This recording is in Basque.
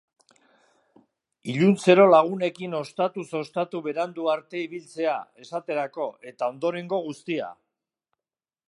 Iluntzero lagunekin ostatuz ostatu berandu arte ibiltzea, esaterako, eta ondorengo guztia.